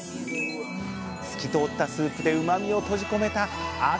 透き通ったスープでうまみを閉じ込めたあ